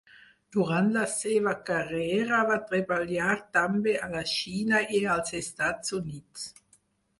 Durant la seva carrera va treballar també a la Xina i als Estats Units.